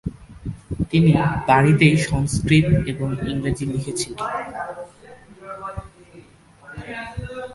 তিনি বাড়িতেই সংস্কৃত ও ইংরেজি শিখেছিলেন।